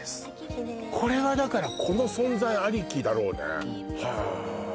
きれいこれはだからこの存在ありきだろうねへえ